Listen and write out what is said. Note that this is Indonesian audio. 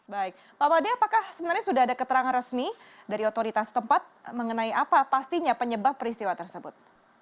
baik pak made apakah sebenarnya sudah ada keterangan resmi dari otoritas tempat mengenai apa pastinya penyebab peristiwa tersebut